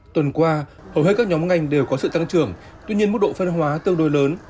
tuần qua hầu hết các nhóm ngành đều có sự tăng trưởng tuy nhiên mức độ phân hóa tương đối lớn